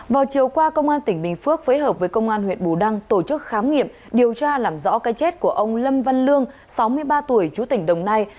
vào chiều qua công an tỉnh bình phước phối hợp với công an huyện bù đăng tổ chức khám nghiệm điều tra làm rõ cái chết của ông lâm văn lương sáu mươi ba tuổi chú tỉnh đồng nai